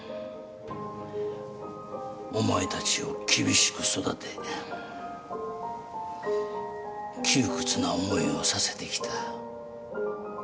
お前たちを厳しく育て窮屈な思いをさせてきた。